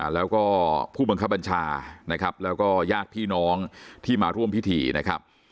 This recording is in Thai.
แล้วก็ผู้บังคับบัญชานะครับแล้วก็ญาติพี่น้องที่มาร่วมพิธีนะครับ